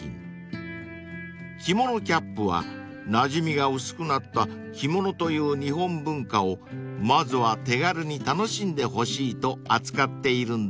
［キモノキャップはなじみが薄くなった着物という日本文化をまずは手軽に楽しんでほしいと扱っているんだそうです］